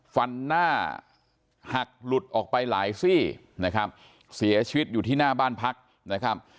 ฟันหน้าหักหลุดออกไปหลายซี่นะครับเสียชีวิตอยู่ที่หน้าบ้านพักนะครับ